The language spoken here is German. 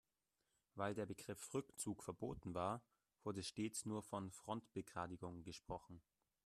Weil der Begriff Rückzug verboten war, wurde stets nur von Frontbegradigung gesprochen.